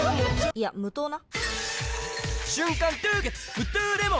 いや無糖な！